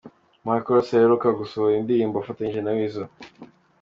Michael Ross aheruka gusohora indirimbo afatanyije na Weasel.